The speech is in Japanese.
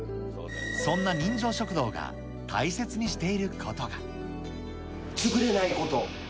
そんな人情食堂が大切にしている潰れないこと。